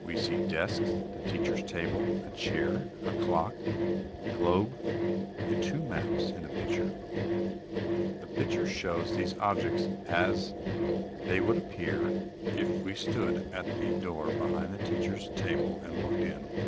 We see desks, the teacher's table, a chair, a clock, globe, and two maps, in the picture. The picture shows these objects as they would appear if we stood at the door behind the teacher's table and looked in.